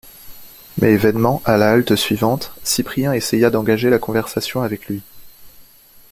Mais vainement, à la halte suivante, Cyprien essaya d’engager la conversation avec lui.